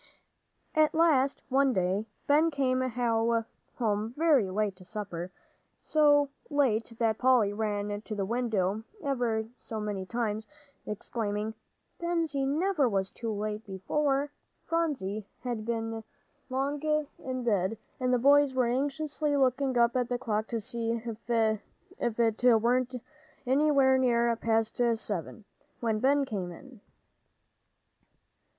At last one day, Ben came home very late to supper, so late that Polly ran to the window ever so many times, exclaiming, "Bensie never was so late before." Phronsie had long been in bed, and the boys were anxiously looking up at the clock to see if it were anywhere near half past seven, when Ben came in.